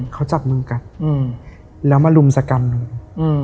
เขาจับมึงกันแล้วมาลุมสกรรมหนึ่ง